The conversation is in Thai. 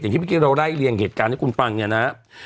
ที่เมื่อกี้เราไล่เลี่ยงเหตุการณ์ให้คุณฟังเนี่ยนะครับ